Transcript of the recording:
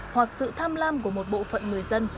hoặc sự tham lam của một bộ phận người dân